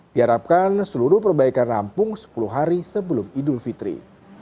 diharapkan seluruh perbaikan rampung sepuluh hari sebelum idul fitri